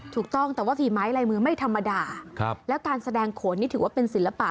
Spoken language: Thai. ถูกต้องแต่ว่าฝีไม้ลายมือไม่ธรรมดาแล้วการแสดงโขนนี่ถือว่าเป็นศิลปะ